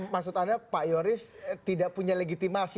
maksud anda pak yoris tidak punya legitimasi